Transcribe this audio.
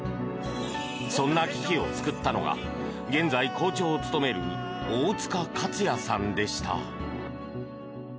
そんな危機を救ったのが現在、校長を務める大塚克也さんでした。